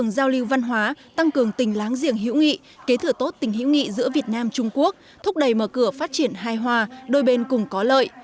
giao lưu văn hóa tăng cường tình láng giềng hữu nghị kế thừa tốt tình hữu nghị giữa việt nam trung quốc thúc đẩy mở cửa phát triển hài hòa đôi bên cùng có lợi